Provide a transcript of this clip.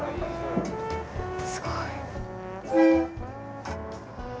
すごい。